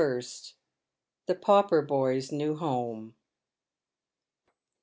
THE PAUPER BOY'S NEW HOME.